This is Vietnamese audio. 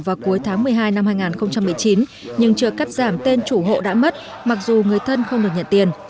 vào cuối tháng một mươi hai năm hai nghìn một mươi chín nhưng chưa cắt giảm tên chủ hộ đã mất mặc dù người thân không được nhận tiền